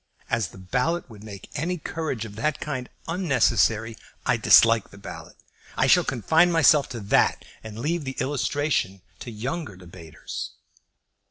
As the ballot would make any courage of that kind unnecessary, I dislike the ballot. I shall confine myself to that, and leave the illustration to younger debaters."